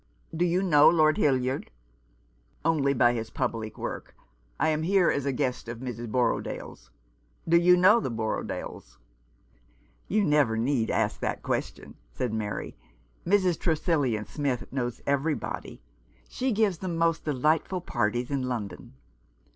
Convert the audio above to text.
Do you know Lord Hildyard ?" "Only by his public work. I am here as a guest of Mrs. Borrodaile's. Do you know the Borrodailes ?" "You never need ask that question," said Mary. "Mrs. Tresillian Smith knows everybody. She gives the most delightful parties in London."